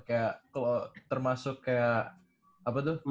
kayak kalau termasuk kayak apa tuh